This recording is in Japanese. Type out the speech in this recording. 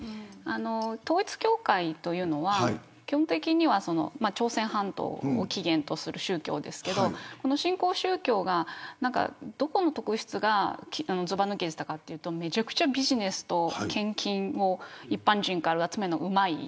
統一教会というのは基本的には朝鮮半島を起源とする宗教ですけれどこの新興宗教がどこがずば抜けていたかというとめちゃくちゃビジネスと献金を一般人から集めるのがうまい。